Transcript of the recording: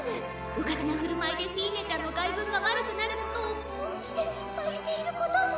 うかつな振る舞いでフィーネちゃんの外聞が悪くなることを本気で心配していることも。